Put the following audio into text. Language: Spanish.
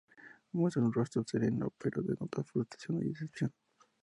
Muestra un rostro sereno pero denota frustración y decepción.